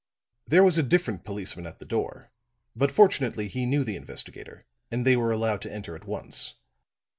There was a different policeman at the door; but fortunately he knew the investigator and they were allowed to enter at once.